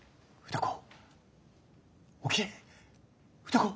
歌子！